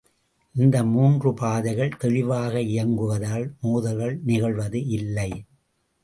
இந்த மூன்று பாதைகள் தெளிவாக இயங்குவதால் மோதல்கள் நிகழ்வது இல்லை.